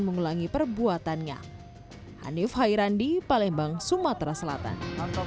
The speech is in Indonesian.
mengulangi perbuatannya hanif hairandi palembang sumatera selatan